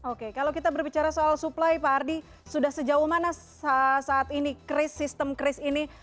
oke kalau kita berbicara soal suplai pak ardi sudah sejauh mana saat ini kris sistem kris ini